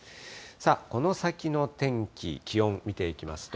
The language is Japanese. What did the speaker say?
さあ、この先の天気、気温、見ていきますと。